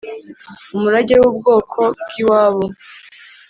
umurage w ubwoko bwi wabo